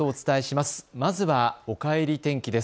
まずは、おかえり天気です。